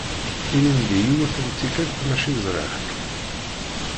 Ilindi yiwet n tikelt mačči ẓriɣ-k.